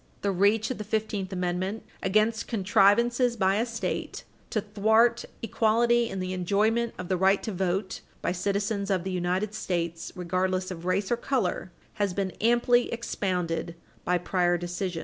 The reach of the Fifteenth Amendment against contrivances by a state to thwart equality in the enjoyment of the right to vote by citizens of the United States regardless of race or color has been amply expounded by prior decisions.